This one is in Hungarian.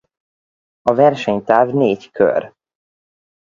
A versenytáv négy kör.